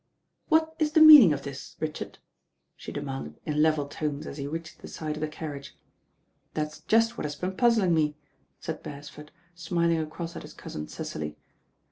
"What is the meaning of this, Richard?" she de manded in level tones as he reached the side of the carriage. "That's just what has been puzzling me," said Beresford, smiling across at his cousin Cecily.